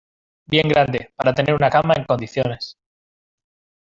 bien grande, para tener una cama en condiciones ,